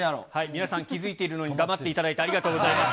皆さん気付いているのに、黙っていただいて、ありがとうございます。